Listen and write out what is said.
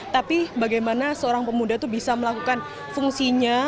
tapi bagaimana seorang pemuda itu bisa melakukan fungsinya